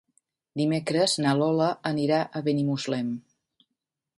Dimecres na Lola anirà a Benimuslem.